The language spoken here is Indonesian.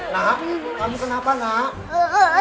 nak kamu kenapa nak